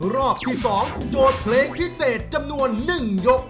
รอบที่๒โจทย์เพลงพิเศษจำนวน๑ยก